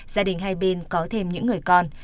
gia đình hai bên có thêm những người con